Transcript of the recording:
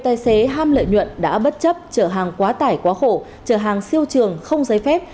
tài xế ham lợi nhuận đã bất chấp chở hàng quá tải quá khổ chở hàng siêu trường không giấy phép